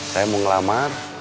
saya mau ngelamar